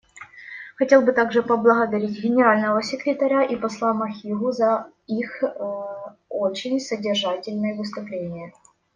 Хотел бы также поблагодарить Генерального секретаря и посла Махигу за их очень содержательные выступления.